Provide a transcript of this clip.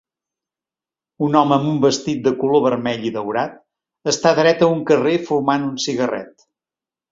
Un home amb un vestit de color vermell i daurat està dret a un carrer fumant un cigarret.